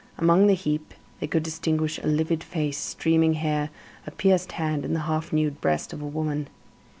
Among the heap they could distinguish a livid face, streaming hair, a pierced hand and the half nude breast of a woman.